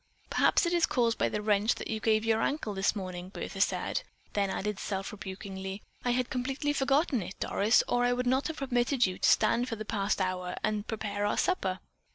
"Perhaps it is caused by the wrench that you gave your ankle this morning," Bertha said; then added self rebukingly: "I had completely forgotten it, Doris, or I would not have permitted you to stand for the past hour and prepare our supper."